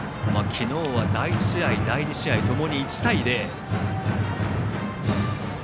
昨日は第１試合、第２試合ともに１対０。